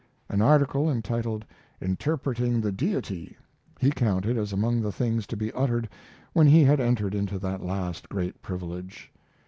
An article entitled, "Interpreting the Deity," he counted as among the things to be uttered when he had entered into that last great privilege.